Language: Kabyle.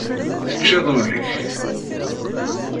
Teččiḍ ul-ik.